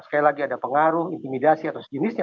sekali lagi ada pengaruh intimidasi atau sejenisnya